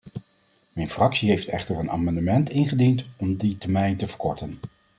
Mijn fractie heeft echter een amendement ingediend om die termijn te verkorten.